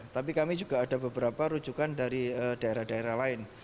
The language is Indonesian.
tapi kami juga ada beberapa rujukan dari daerah daerah lain